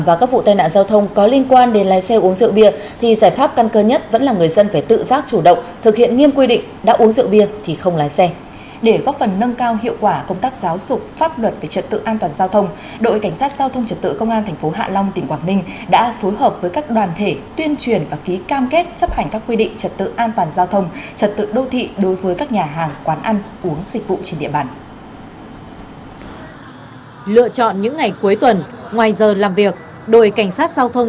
để góp phần nâng cao hiệu quả công tác giáo dục pháp luật về trật tự an toàn giao thông đội cảnh sát giao thông trật tự công an thành phố hạ long tỉnh quảng ninh đã phối hợp với các đoàn thể tuyên truyền và ký cam kết chấp hành các quy định trật tự an toàn giao thông trật tự đô thị đối với các nhà hàng quán ăn uống dịch vụ trên địa bàn